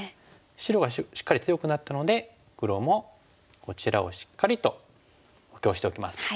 白がしっかり強くなったので黒もこちらをしっかりと補強しておきます。